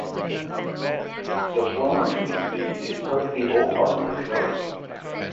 The former community is part of the Old Barn Resort.